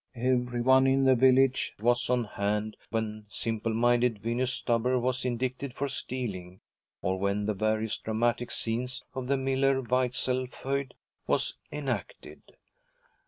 Every one in the village was on hand when simple minded Venus Stuber was indicted for stealing, or when the various dramatic scenes of the Miller Weitzel feud were enacted.